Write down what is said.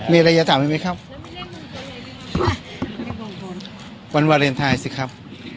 มีอะไรจะถามอีกไหมครับวันวาเลนไทยสิครับ